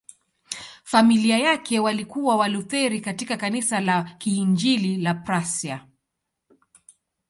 Familia yake walikuwa Walutheri katika Kanisa la Kiinjili la Prussia.